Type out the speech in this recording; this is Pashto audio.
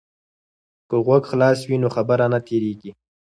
که غوږ خلاص وي نو خبره نه تیریږي.